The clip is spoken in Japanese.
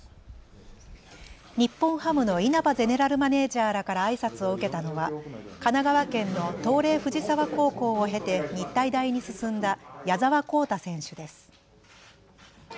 日本ハムの稲葉ゼネラルマネージャーらからあいさつを受けたのは神奈川県の藤嶺藤沢高校を経て日体大に進んだ矢澤宏太選手です。